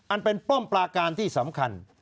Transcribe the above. อันเป็นป้อมปลาการที่สำคัญ